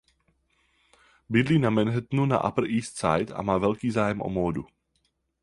Bydlí na Manhattanu na Upper East Side a má velký zájem o módu.